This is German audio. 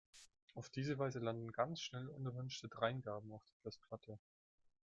Auf diese Weise landen ganz schnell unerwünschte Dreingaben auf der Festplatte.